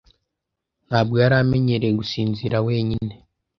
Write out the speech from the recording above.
Ntabwo yari amenyereye gusinzira wenyine.